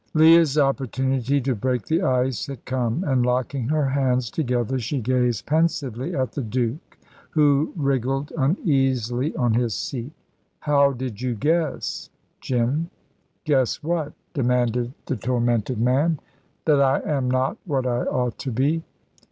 Leah's opportunity to break the ice had come, and locking her hands together, she gazed pensively at the Duke, who wriggled uneasily on his seat. "How did you guess, Jim?" "Guess what?" demanded the tormented man. "That I am not what I ought to be."